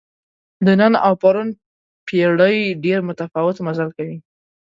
د نن او پرون پېړۍ ډېر متفاوت مزل کوي.